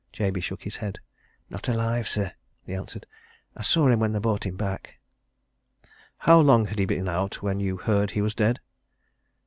Jabey shook his head. "Not alive, sir," he answered. "I saw him when they brought him back." "How long had he been out when you heard he was dead?"